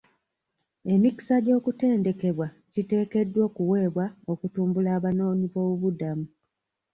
Emikisa gy'okutendekebwa giteekeddwa okuweebwa okutumbula abanoonyi b'obubuddamu .